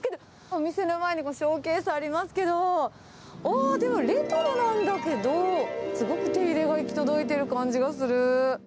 お店の前にもショーケースありますけど、おー、でもレトロなんだけど、すごく手入れが行き届いてる感じがする。